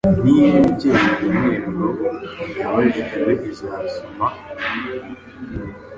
Niba ibi byemeweinteruro yababajwe izasoma ngo